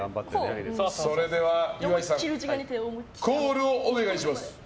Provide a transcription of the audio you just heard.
それでは岩井さんコールをお願いします。